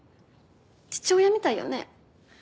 父親みたいよね？